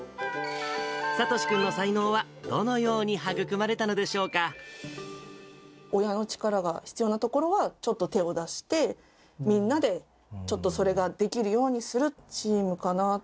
聡志君の才能は、親の力が必要なところはちょっと手を出して、みんなでちょっとそれができるようにするチームかな。